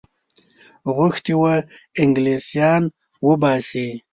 غوښتي وه انګلیسیان وباسي.